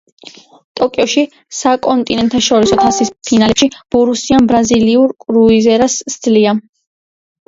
ტოკიოში საკონტინენტთაშორისო თასის ფინალში ბორუსიამ ბრაზილიურ „კრუზეიროს“ სძლია.